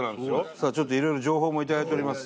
さあちょっといろいろ情報も頂いております。